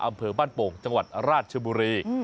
อำเภอบ้านโป่งจังหวัดราชบุรี